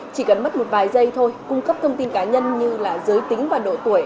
chỉ cần mất một vài giây thôi cung cấp thông tin cá nhân như là giới tính và độ tuổi